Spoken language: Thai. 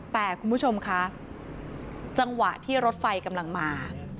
แต่คุณผู้ชมคะจังหวะที่รถไฟกำลังมา